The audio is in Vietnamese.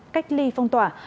cách ly phong tỏa